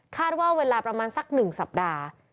ว่าเวลาประมาณสัก๑สัปดาห์